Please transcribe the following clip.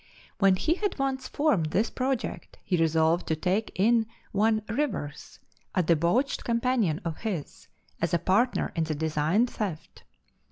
When he had once formed this project he resolved to take in one Rivers, a debauched companion of his, as a partner in the designed theft.